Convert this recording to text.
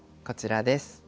こちらです。